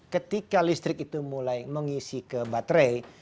ketika listrik itu mulai mengisi ke baterai